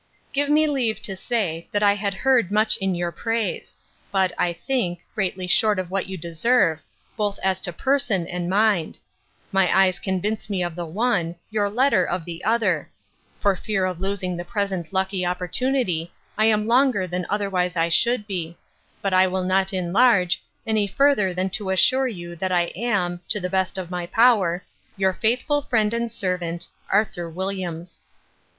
'Give me leave to say, that I had heard much in your praise; but, I think, greatly short of what you deserve, both as to person and mind: My eyes convince me of the one, your letter of the other. For fear of losing the present lucky opportunity, I am longer than otherwise I should be. But I will not enlarge, any further than to assure you that I am, to the best of my power, 'Your faithful friend and servant, 'ARTHUR WILLIAMS.